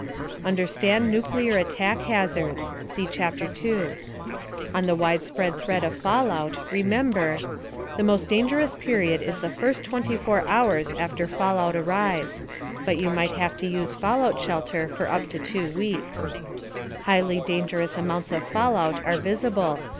* UNDERSTAND NUCLEAR ATTACK HAZARDS (See Chapter 2, page 9) On the widespread threat of fallout, remember: * The most dangerous period is the first 24 hours after fallout arrives. But you might have to use fallout shelter for up to two weeks. * Highly dangerous amounts of fallout are visible.